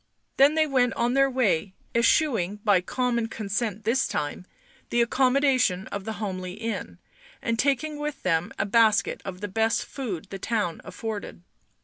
Then they went on their way, eschewing, by common consent this time, the accommodation of the homely inn, and taking with them a basket of the best food the town afforded.